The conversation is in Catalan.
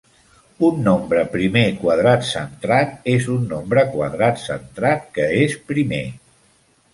Un nombre primer quadrat centrat és un nombre quadrat centrat que és primer.